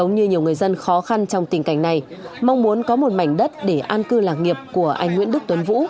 nhân khó khăn trong tình cảnh này mong muốn có một mảnh đất để an cư làng nghiệp của anh nguyễn đức tuấn vũ